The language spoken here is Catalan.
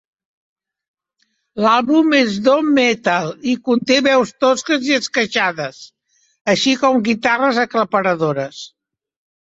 L'àlbum és "doom-metal" i conté veus tosques i esqueixades, així com guitarres aclaparadores.